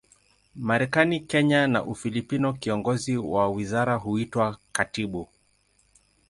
Marekani, Kenya na Ufilipino, kiongozi wa wizara huitwa katibu.